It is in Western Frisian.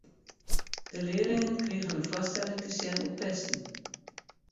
De learlingen krigen in foarstelling te sjen oer pesten.